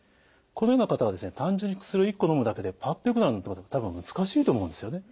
このような方は単純に薬を１個のむだけでパッとよくなるなんてことは多分難しいと思うんですよね。